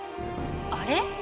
あれ？